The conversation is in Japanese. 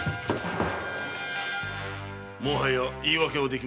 もはや言い訳はできまい。